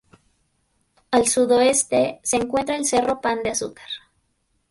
Al sudoeste se encuentra el Cerro Pan de Azúcar.